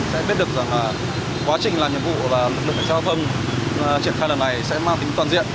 sẽ biết được quá trình làm nhiệm vụ và lực lượng cảnh sát giao thông triển khai lần này sẽ mang tính toàn diện